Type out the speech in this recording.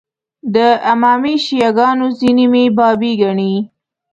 د امامي شیعه ګانو ځینې مې بابي ګڼي.